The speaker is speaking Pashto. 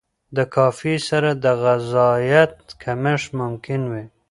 له کافي سره د غذایت کمښت ممکن وي.